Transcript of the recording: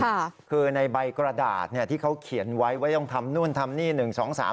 ค่ะคือในใบกระดาษเนี่ยที่เขาเขียนไว้ว่าต้องทำนู่นทำนี่หนึ่งสองสาม